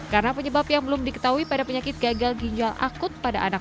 karena penyebab yang belum diketahui pada penyakit gagal ginjal akut pada anak